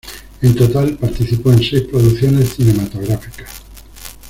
En total participó en seis producciones cinematográficas.